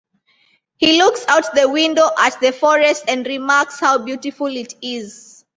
He looks out the window at the forest and remarks how beautiful it is.